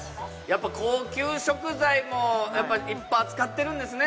高級食材もやっぱり扱ってるんですね。